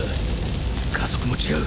加速も違う！